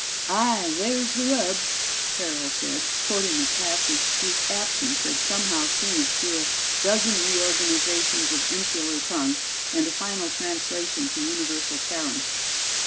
"Aye, there's the rub," Farrell said, quoting a passage whose aptness had somehow seen it through a dozen reorganizations of insular tongue and a final translation to universal Terran.